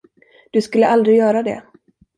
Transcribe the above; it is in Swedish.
Du skulle aldrig göra det.